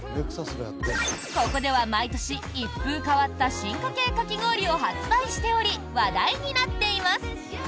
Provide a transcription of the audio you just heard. ここでは毎年、一風変わった進化系かき氷を発売しており話題になっています。